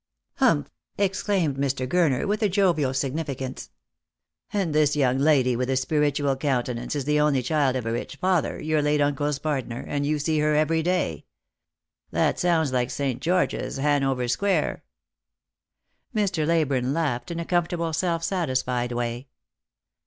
"Humph!" exclaimed Mr. Gurner, with a jovial significance. " And this young lady with the spiritual countenance is the only child of a rich father, your late uncle's partner, and you see her every day. That sounds like St. George's, Hanover square." Mr. Leyburne laughed in a comfortable, self satisfied way.